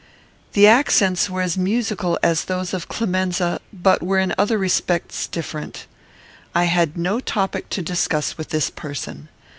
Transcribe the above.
The accents were as musical as those of Clemenza, but were in other respects different. I had no topic to discuss with this person.